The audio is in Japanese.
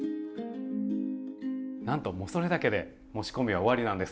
なんともうそれだけで仕込みは終わりなんです。